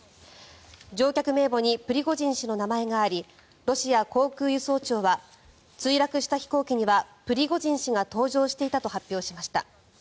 乗客名簿にプリゴジン氏の名前ががありロシア航空輸送庁は墜落した飛行機にはプリゴジン氏が搭乗していたと発表しました。